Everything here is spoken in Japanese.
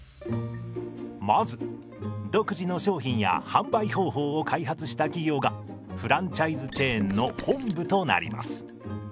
まず独自の商品や販売方法を開発した企業がフランチャイズチェーンの本部となります。